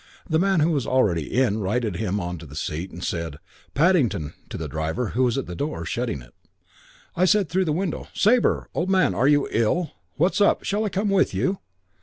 The man, who was already in, righted him on to the seat and said, 'Paddington' to the driver who was at the door, shutting it. I said, through the window, 'Sabre! Old man, are you ill? What's up? Shall I come with you?'